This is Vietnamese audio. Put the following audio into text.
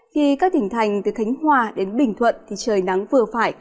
khi các tỉnh thành từ khánh hòa đến bình thuận thì trời nắng vừa phải